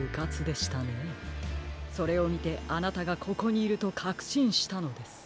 それをみてあなたがここにいるとかくしんしたのです。